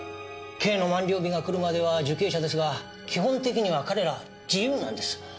刑の満了日が来るまでは受刑者ですが基本的には彼ら自由なんです。